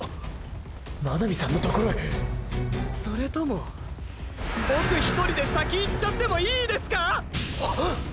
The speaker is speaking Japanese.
真波さんのところへ⁉それともボク１人で先行っちゃってもいいですか⁉っ！！